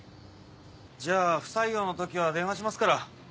じゃあ不採用の時は電話しますから。